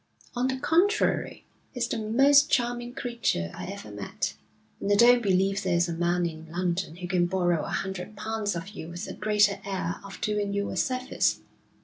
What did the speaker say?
'On the contrary, he's the most charming creature I ever met, and I don't believe there's a man in London who can borrow a hundred pounds of you with a greater air of doing you a service.